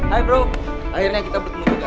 hai bro akhirnya kita bertemu juga